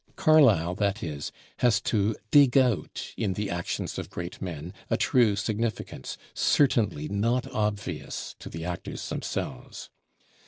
Carlyle, that is, has to dig out in the actions of great men a true significance, certainly not obvious to the actors themselves.